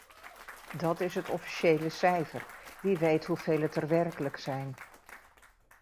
Dat is het officiële cijfer, wie weet hoeveel het er werkelijk zijn.